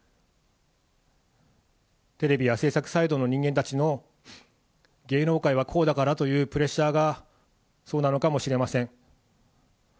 テレビや制作サイドの人間たちの芸能界はこうだからというプレッシャーがそうなのかもしれません。